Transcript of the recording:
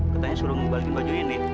katanya suruh mbak bagiin baju ini